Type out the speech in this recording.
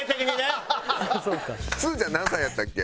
すずちゃん何歳やったっけ？